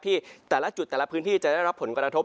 ที่แต่ละจุดแต่ละพื้นที่จะได้รับผลกระทบ